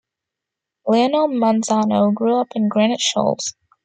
Leonel Manzano grew up in Granite Shoals.